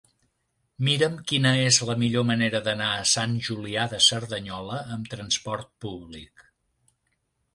Mira'm quina és la millor manera d'anar a Sant Julià de Cerdanyola amb trasport públic.